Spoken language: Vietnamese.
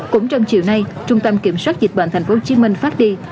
cũng trong chiều nay trung tâm kiểm soát dịch bệnh tp hcm phát đi